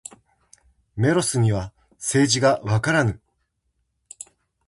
メロスには政治がわからぬ。